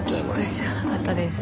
知らなかったです。